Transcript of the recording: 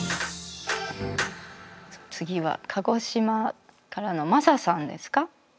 次は鹿児島からのｍａｓａさんですか。